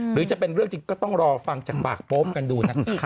หรือจะเป็นเรื่องจริงก็ต้องรอฟังจากปากโป๊ปกันดูนะคะ